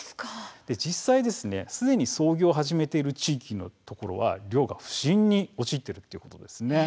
実際、すでに操業を始めている地域のところは不振に陥っているということです。